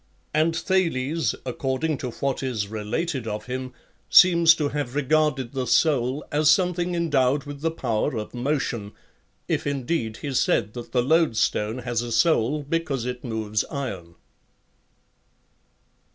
And Thales, according to what is related of him, seems to have regarded the soul as something endowed with the power of motion, if indeed he said that the loadstone has a soul because it moves iron.